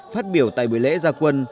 phát biểu tại buổi lễ gia quân